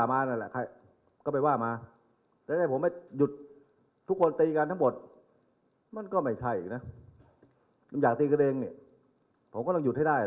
คุณก็ไปว่าม้าจะให้ผมไม่หยุดทุกคนตีการทั้งหมดมันก็ไม่ทัยนะอยากกันเองเนี่ยผมก็ต้องหยุดให้ได้แหละ